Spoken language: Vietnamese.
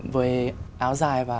với áo dài và